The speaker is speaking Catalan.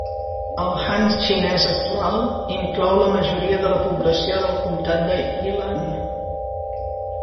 El Han xinès actual inclou la majoria de la població del comtat de Yilan.